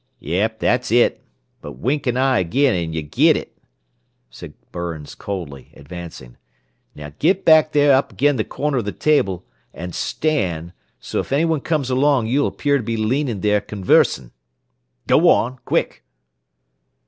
"Yep, that's it. But wink an eye agin, an' y' git it!" said Burns coldly, advancing. "Now, git back there up agin the corner of the table, an' stand, so 'f anyone comes along you'll appear to be leanin' there, conversin'. Go on, quick!"